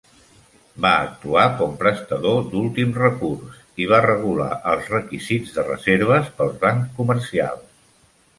Va actuar com prestador d'últim recurs i va regular els requisits de reserves pels bancs comercials.